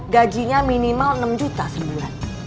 gajinya minimal enam juta sebulan